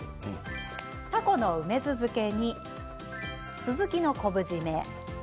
タコの梅酢漬けにスズキの昆布じめ。